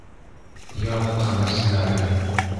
Яҙ хәбәрселәре.